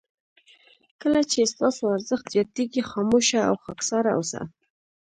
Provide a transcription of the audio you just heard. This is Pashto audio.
کله چې ستاسو ارزښت زیاتېږي خاموشه او خاکساره اوسه.